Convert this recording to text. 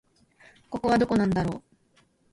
ここはどこなんだろう